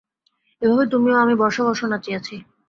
এভাবে তুমি ও আমি বর্ষ-বর্ষ নাচিয়াছি।